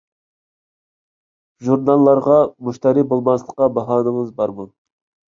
ژۇرناللارغا مۇشتەرى بولماسلىققا باھانىڭىز بارمۇ؟